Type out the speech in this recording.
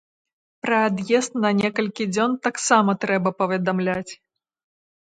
Пра ад'езд на некалькі дзён таксама трэба паведамляць.